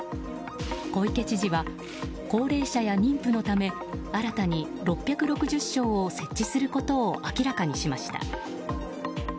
小池知事は高齢者や妊婦のため新たに６６００床を設置することを明らかにしました。